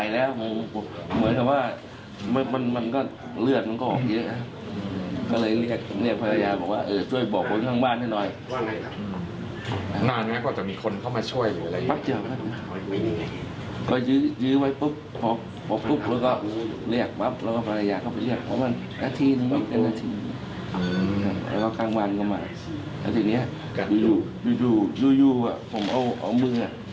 แล้วก็ข้างบนก็มาแล้วจริงยูผมเอามือ